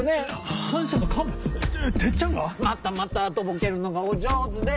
またまたとぼけるのがお上手で。